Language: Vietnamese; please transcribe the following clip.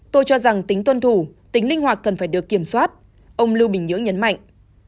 tôi cho rằng tính tuân thủ tính linh hoạt cần phải được kiểm soát ông lưu bình nhưỡng nhấn mạnh